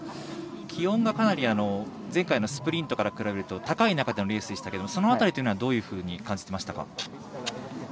気温がかなり前回のスプリントから比べると高い中でのレースでしたけれどもその辺りというのはどういうふうに感じてましたか。